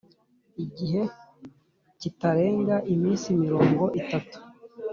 igihe kitarenga iminsi mirongo itatu